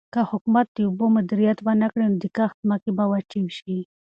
که حکومت د اوبو مدیریت ونکړي نو د کښت ځمکې به وچې شي.